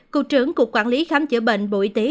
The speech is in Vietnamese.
cục trưởng cục quản lý khám chữa bệnh bộ y tế